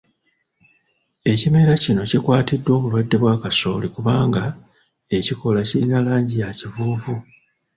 Ekimera kino kikwatiddwa obulwadde bwa kasooli kubanga ekikoola kirina langi ya kivuuvu